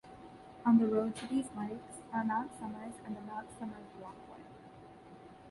On the road to these lakes are Mount Somers and the Mount Somers walkway.